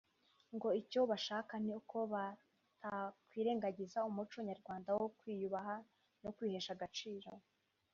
ngo icyo bashaka ni ko batakwirengagiza umuco nyarwanda wo kwiyubaha no kwihesha agaciro